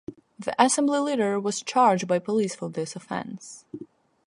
The assembly leader was charged by police for this offence.